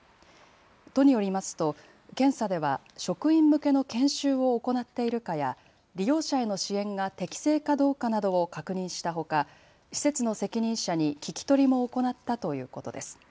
都によりますと検査では職員向けの研修を行っているかや利用者への支援が適正かどうかなどを確認したほか施設の責任者に聞き取りも行ったということです。